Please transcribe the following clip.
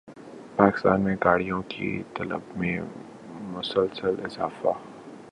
پاکستان میں گاڑیوں کی طلب میں مسلسل اضافہ